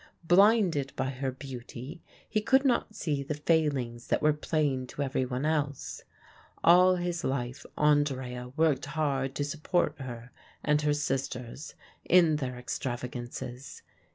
Blinded by her beauty, he could not see the failings that were plain to everyone else. All his life Andrea worked hard to support her and her sisters in their extravagances.